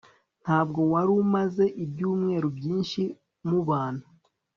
ntabwo wari umaze ibyumweru byinshi mubana